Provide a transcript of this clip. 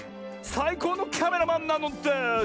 さいこうのキャメラマンなのです！